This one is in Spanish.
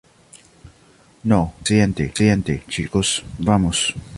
No, fue un accidente, chicos. Vamos.